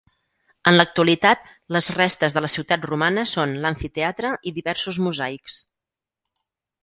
En l'actualitat, les restes de la ciutat romana són l'amfiteatre i diversos mosaics.